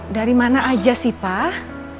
dari mana aja sih pak